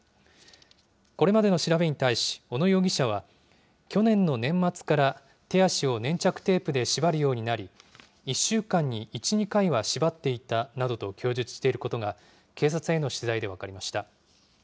これまでの調べに対し、小野容疑者は、去年の年末から手足を粘着テープで縛るようになり、１週間に１、２回は縛っていたなどと供述していることが、警察への取材で分かりました。